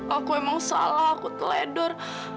aku emang salah aku teledor